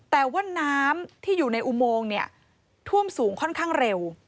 แต่ว่าน้ำที่อยู่ในอุโมงเนี่ยท่วมสูงค่อนข้างเร็ว